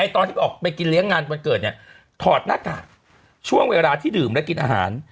ตอนที่ออกไปกินเลี้ยงงานวันเกิดเนี่ยถอดหน้ากากช่วงเวลาที่ดื่มและกินอาหาร